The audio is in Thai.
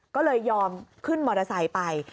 ก็เลยยอมขึ้นมอเตอร์ไซค์ไป